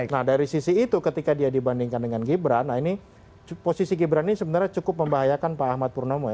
nah dari sisi itu ketika dia dibandingkan dengan gibran ini posisi gibran ini sebenarnya cukup membahayakan pak ahmad purnomo ya